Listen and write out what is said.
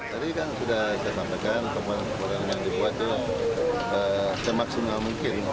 tadi kan sudah saya sampaikan program yang dibuat itu semaksimal mungkin